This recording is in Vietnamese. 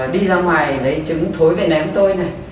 đi ra ngoài lấy trứng thối lại ném tôi này